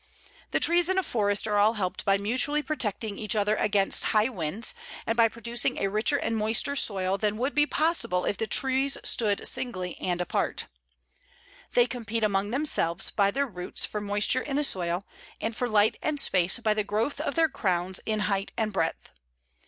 The trees in a forest are all helped by mutually protecting each other against high winds, and by producing a richer and moister soil than would be possible if the trees stood singly and apart. They compete among themselves by their roots for moisture in the soil, and for light and space by the growth of their crowns in height and breadth.